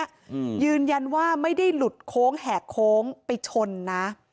อืมยืนยันว่าไม่ได้หลุดโค้งแหกโค้งไปชนนะ